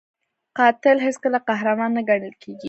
قاتل هیڅکله قهرمان نه ګڼل کېږي